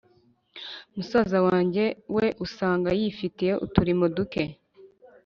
Musaza wange we usanga yifitiye uturimo duke